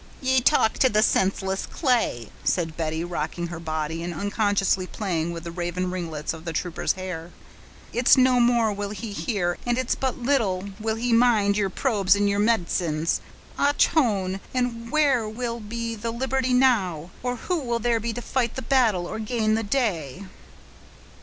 "Ye talk to the senseless clay," said Betty, rocking her body, and unconsciously playing with the raven ringlets of the trooper's hair; "it's no more will he hear, and it's but little will he mind yeer probes and yeer med'cines. Och hone," och hone!—and where will be the liberty now? or who will there be to fight the battle, or gain the day?"